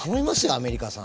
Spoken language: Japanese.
アメリカさん